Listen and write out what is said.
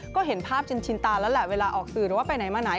ก็เห็นภาพชินตาแล้วแหละเวลาออกสื่อหรือว่าไปไหนมาไหน